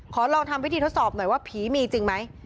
ลองทำพิธีทดสอบหน่อยว่าผีมีจริงไหม